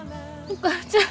お母ちゃん！